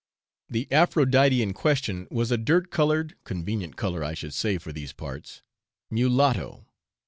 The Aphrodite in question was a dirt coloured (convenient colour I should say for these parts) mulatto.